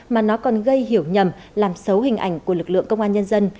mà nó còn gây hiểu nhầm làm xấu hình ảnh của lực lượng công an nhân dân